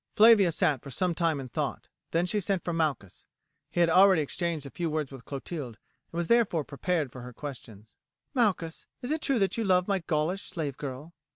Flavia sat for some time in thought, then she sent for Malchus. He had already exchanged a few words with Clotilde, and was therefore prepared for her questions. "Malchus, is it true that you love my Gaulish slave girl?"